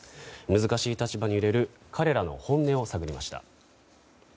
難しい立場に揺れる彼らの本音を探りました。